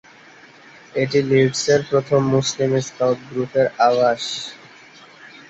এটি লিডসের প্রথম মুসলিম স্কাউট গ্রুপের আবাস।